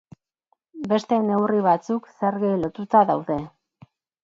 Beste neurri batzuk zergei lotuta daude.